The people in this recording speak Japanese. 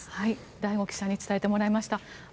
醍醐記者に伝えてもらいました。